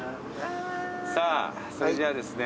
さあそれじゃあですね。